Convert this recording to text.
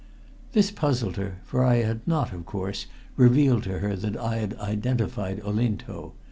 This puzzled her, for I had not, of course, revealed to her that I had identified Olinto.